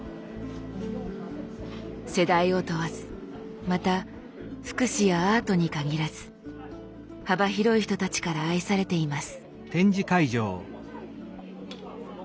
世代を問わずまた福祉やアートに限らず幅広い人たちから愛されています。